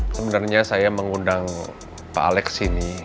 sebenarnya saya mengundang pak alek ke sini